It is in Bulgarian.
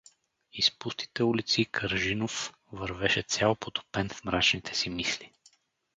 Из пустите улици Каржинов вървеше цял потопен в мрачните си мисли.